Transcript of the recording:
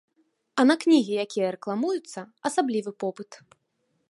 А на кнігі, якія рэкламуюцца, асаблівы попыт.